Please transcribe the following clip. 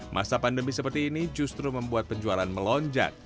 masa pandemi seperti ini justru membuat penjualan melonjak